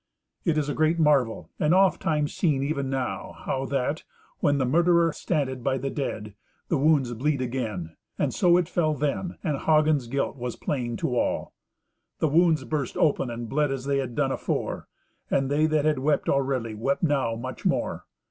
It is a great marvel, and ofttimes seen even now, how that, when the murderer standeth by the dead, the wounds bleed again. And so it fell then, and Hagen's guilt was plain to all. The wounds burst open and bled as they had done afore; and they that had wept already wept now much more.